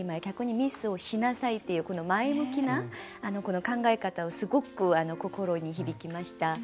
逆にミスをしなさいっていうこの前向きな考え方をすごく心に響きました。